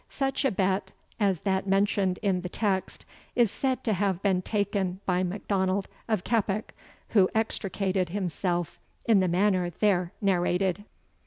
[Such a bet as that mentioned in the text is said to have been taken by MacDonald of Keppoch, who extricated himself in the manner there narrated.